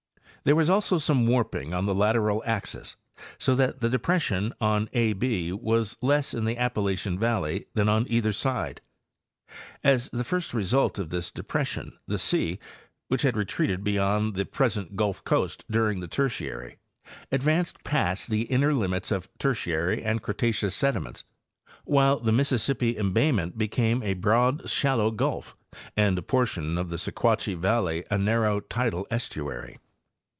There was also some warping on the lateral axis, so that the depression on A B was less in the Appa lachian valley than on either side. As the first result of this depression, the sea, which had retreated beyond the present Gulf coast during the Tertiary, advanced past the inner limits of Ter tiary and Cretaceous sediments, while the Mississippi embayment became a broad, shallow gulf and a portion of the Sequatchie valley a narrow tidal estuary.